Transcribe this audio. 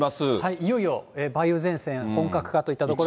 いよいよ梅雨前線本格化といったところで。